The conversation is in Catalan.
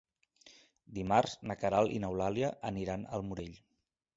Dimarts na Queralt i n'Eulàlia aniran al Morell.